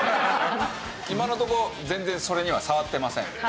今のとこ全然それには触ってません。